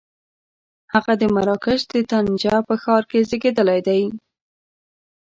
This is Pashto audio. هغه د مراکش د طنجه په ښار کې زېږېدلی دی.